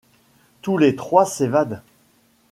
Tous les trois s'évadent.